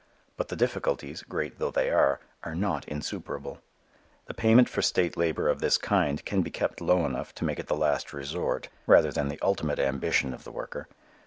But the difficulties, great though they are, are not insuperable. The payment for state labor of this kind can be kept low enough to make it the last resort rather than the ultimate ambition of the worker.